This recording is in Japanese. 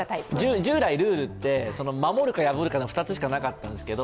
従来ルールって、守るか破るかの２つしかなかったんですけれども、